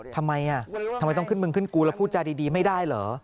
ทำไมทำไมต้องขึ้นมึงขึ้นกูแล้วพูดจาดีไม่ได้เหรอ